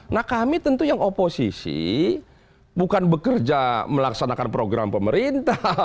nah kami tentu yang oposisi bukan bekerja melaksanakan program pemerintah